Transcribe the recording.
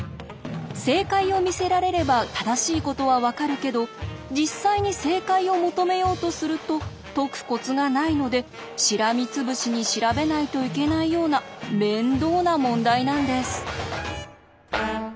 正解を見せられれば正しいことは分かるけど実際に正解を求めようとすると解くコツがないのでしらみつぶしに調べないといけないような面倒な問題なんです。